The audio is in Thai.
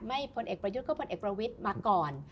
พลเอกประยุทธ์ก็พลเอกประวิทย์มาก่อน